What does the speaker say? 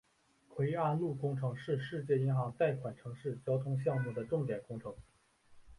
槐安路工程是世界银行贷款城市交通项目的重点工程。